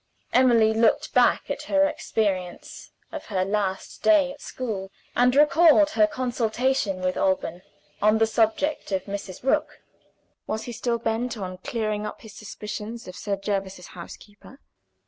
Emily looked back at her experience of her last day at school, and recalled her consultation with Alban on the subject of Mrs. Rook. Was he still bent on clearing up his suspicions of Sir Jervis's housekeeper?